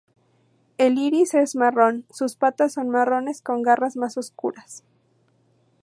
El iris es marrón; sus patas son marrones con garras más oscuras.